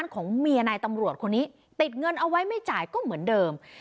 ของเมียนายตำรวจคนนี้ติดเงินเอาไว้ไม่จ่ายก็เหมือนเดิม